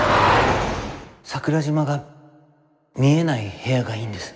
桜島が見えない部屋がいいんです。